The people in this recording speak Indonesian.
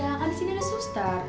kalian disini ada suster